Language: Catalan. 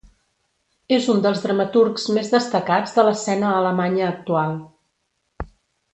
És un dels dramaturgs més destacats de l'escena alemanya actual.